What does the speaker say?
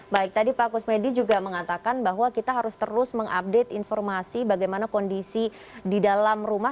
baik tadi pak kusmedi juga mengatakan bahwa kita harus terus mengupdate informasi bagaimana kondisi di dalam rumah